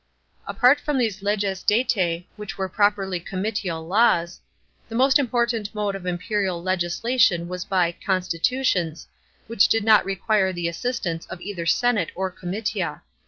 Apart from these leges datae, which were properly comitial laws, the most important mode of imperial legislation was by "con stitutions," which did not require the assistance of either senate or comitia.